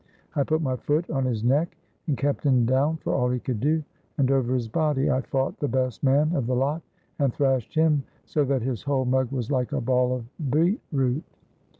I put my foot on his neck and kept him down for all he could do, and over his body I fought the best man of the lot, and thrashed him so that his whole mug was like a ball of beetroot.